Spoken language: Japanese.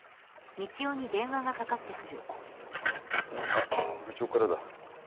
あっ部長からだ。